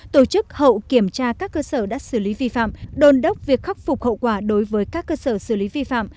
tổ chức hậu kiểm tra các cơ sở đã xử lý vi phạm đồn đốc việc khắc phục hậu quả đối với các cơ sở xử lý vi phạm